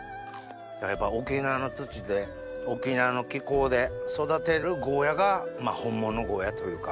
やっぱ沖縄の土で沖縄の気候で育てるゴーヤーが本物のゴーヤーというか。